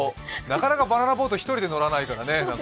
なかなかバナナボート１人で乗らないからね。